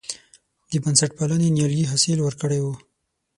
د بنسټپالنې نیالګي حاصل ورکړی و.